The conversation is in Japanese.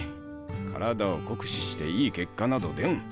体を酷使していい結果など出ん！